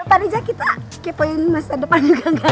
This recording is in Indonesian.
padahal kita kepoin masa depan juga enggak